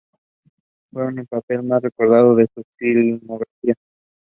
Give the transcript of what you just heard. The organization confirmed they were responsible.